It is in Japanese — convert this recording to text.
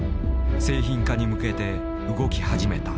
製品化に向けて動き始めた。